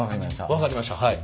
分かりましたはい。